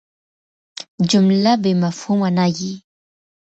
جمله بېمفهومه نه يي.